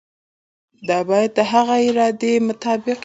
دا باید د هغه د ارادې مطابق وي.